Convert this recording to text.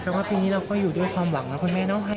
แต่ว่าปีนี้เราก็อยู่ด้วยความหวังนะคุณแม่เนาะ